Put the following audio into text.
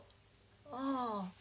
ああ。